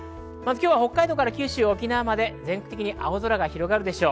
今日は北海道から九州、沖縄まで全国的に青空が広がるでしょう。